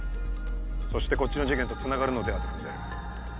そしてこっちの事件とつながるのではと踏んでいる。